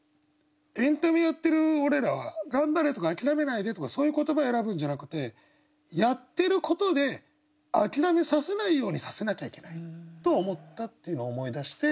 エンタメやってる俺らは「頑張れ」とか「あきらめないで」とかそういう言葉選ぶんじゃなくてやってることであきらめさせないようにさせなきゃいけないと思ったっていうのを思い出して。